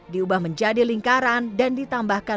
diubah menjadi lingkaran dan ditambahkan